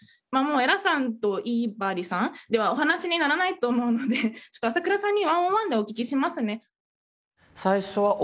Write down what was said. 江良さんと井張さんではお話にならないと思うのでちょっと朝倉さんに１ｏｎ１でお聞きしますね。